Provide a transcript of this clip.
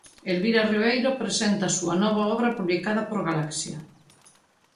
Elvira Ribeiro presenta a súa nova obra publicada por Galaxia.